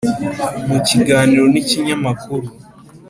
mu kiganiro n’ikinyamakuru ,